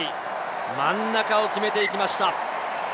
真ん中を決めていきました。